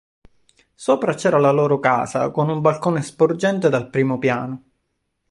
Sopra c'era la loro casa con un balcone sporgente dal primo piano.